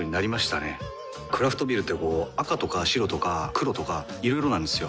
クラフトビールってこう赤とか白とか黒とかいろいろなんですよ。